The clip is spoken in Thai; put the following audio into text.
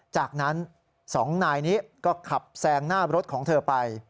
จากนั้น๒นายนี้ก็ขับแซงหน้ารถของเธอไป